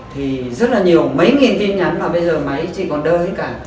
thì rất là nhiều mấy nghìn tin nhắn mà bây giờ mấy chị còn đơ hết cả